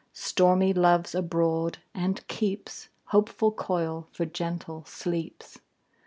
Stormy Love's abroad, and keeps Hopeful coil for gentle sleeps.